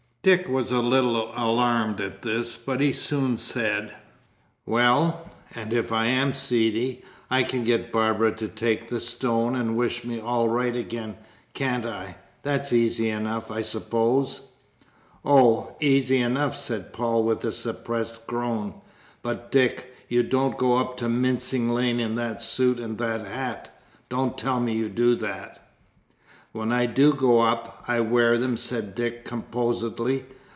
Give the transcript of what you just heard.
Dick was a little alarmed at this, but he soon said: "Well, and if I am seedy, I can get Barbara to take the stone and wish me all right again, can't I? That's easy enough, I suppose." "Oh, easy enough!" said Paul, with a suppressed groan. "But, Dick, you don't go up to Mincing Lane in that suit and that hat? Don't tell me you do that!" "When I do go up, I wear them," said Dick composedly.